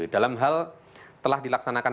dalam hal telah dilaksanakan